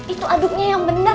itu aduknya yang bener